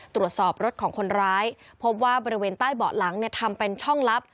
ตรวจสอบรถของคนร้ายพบว่าบริเวณใต้เบาะหลังเนี่ยทำเป็นช่องลับ